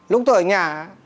lúc tôi ở nhà